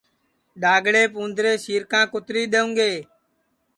ڈؔاگݪیپ اُوندرے سِیرکاں کُتری دؔیؤں گے